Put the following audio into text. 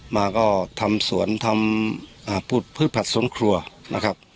มาก็ทำสวนทำพืชผัดสวนครัวนะครับ